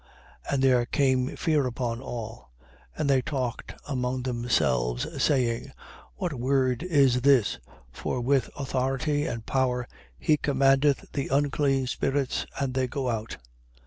4:36. And there came fear upon all; and they talked among themselves, saying: What word is this, for with authority and power he commandeth the unclean spirits, and they go out?